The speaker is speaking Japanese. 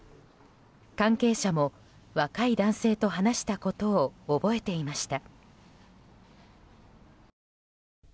関係者も若い男性と話したことを覚えていました。